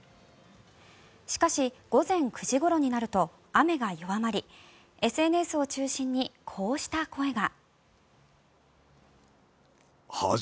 しかし、午前９時ごろになると雨は弱まりＳＮＳを中心にこうした声が。